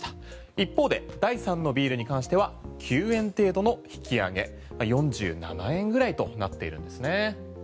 一方で第３のビールに関しては９円程度の引き上げ４７円ぐらいとなっているんですね。